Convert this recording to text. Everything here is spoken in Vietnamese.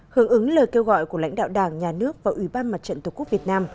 hưởng ứng lời kêu gọi của lãnh đạo đảng nhà nước và ủy ban mặt trận tổ quốc việt nam